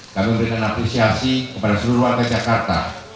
kami memberikan apresiasi kepada seluruh warga jakarta